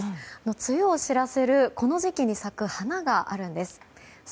梅雨を知らせるこの時期に咲く花があるんです。